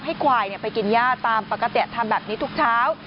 ควายไปกินย่าตามปกติทำแบบนี้ทุกเช้า